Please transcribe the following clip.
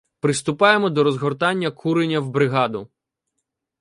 Приступаємо до розгортання куреня в бригаду.